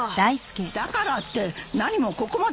だからって何もここまで来なくても。